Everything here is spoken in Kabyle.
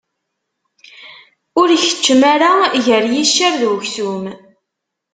Ur keččem ara gar yiccer d uksum.